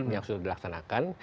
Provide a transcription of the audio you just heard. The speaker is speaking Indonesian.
yang sudah dilaksanakan